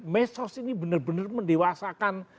mesos ini benar benar mendewasakan